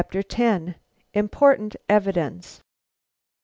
IMPORTANT EVIDENCE.